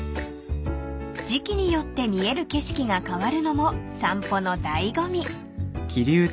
［時季によって見える景色が変わるのも散歩の醍醐味］